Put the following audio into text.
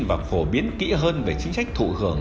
và phổ biến kỹ hơn về chính sách thụ hưởng